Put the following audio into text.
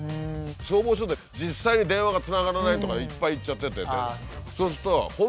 消防署で実際に電話がつながらないとかいっぱいいっちゃっててって。